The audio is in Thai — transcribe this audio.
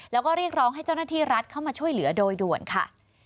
แล้วก็เรียกร้องให้เจ้าหน้าที่รัฐเข้ามาช่วยเหลือโดยด่วนค่ะ